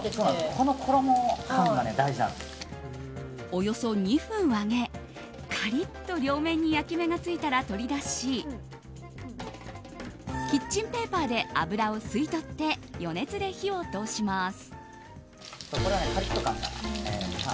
およそ２分揚げカリッと両面に焼き目がついたら取り出しキッチンペーパーで油を吸い取って余熱で火を通します。